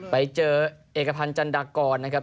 ไปเจอเอกพันธ์จันดากรนะครับ